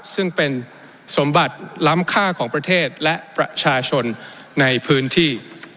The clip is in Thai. ซึ่งเป็นสมบัติล้ำค่าของประเทศและประชาชนในพื้นที่